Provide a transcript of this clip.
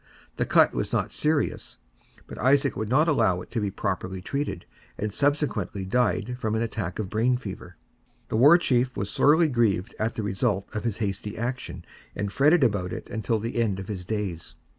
The cut was not serious, but Isaac would not allow it to be properly treated, and subsequently died from an attack of brain fever. The War Chief was sorely grieved at the result of his hasty action, and fretted about it until the end of his days.